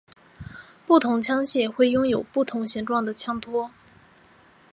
不同的枪械会拥有不同形状的枪托。